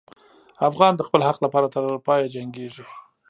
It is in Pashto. افغان د خپل حق لپاره تر پایه جنګېږي.